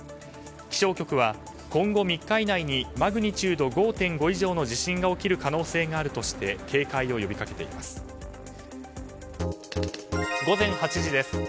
気象局は今後３日以内にマグニチュード５．５以上の地震が起きる可能性があるとして警戒を呼びかけています。